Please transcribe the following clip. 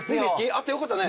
あってよかったね。